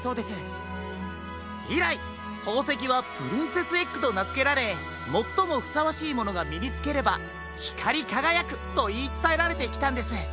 いらいほうせきはプリンセスエッグとなづけられもっともふさわしいものがみにつければひかりかがやくといいつたえられてきたんです。